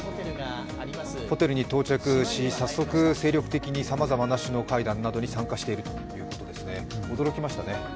ホテルに到着し、早速精力的にさまざまな首脳会談に参加しているということですね驚きましたね。